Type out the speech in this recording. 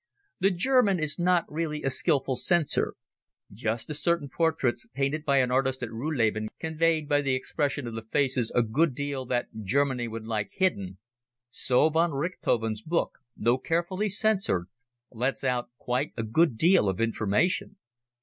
The German is not really a skilful censor. Just as certain portraits painted by an artist at Ruhleben conveyed by the expression of the faces a good deal that Germany would like hidden, so von Richthofen's book, though carefully censored, lets out quite a good deal of information.